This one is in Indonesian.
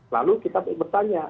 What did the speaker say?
lalu kita bertanya